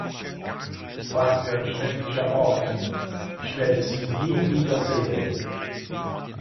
Was für ein schrecklicher Ort; ich werde sie nie wieder sehen!